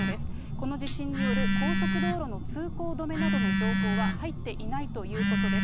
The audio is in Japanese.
この地震による高速道路の通行止めなどの情報は入っていないということです。